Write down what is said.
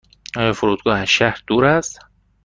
آیا فرودگاه از شهر دور است؟